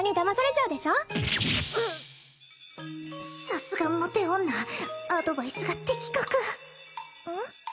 さすがモテ女アドバイスが的確うん？